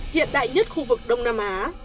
hiện đại nhất khu vực đông nam á